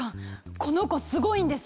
この子すごいんです！